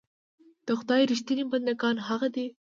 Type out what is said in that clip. د خدای رښتيني بندګان هغه دي.